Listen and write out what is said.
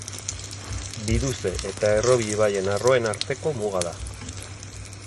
Biduze eta Errobi ibaien arroen arteko muga da.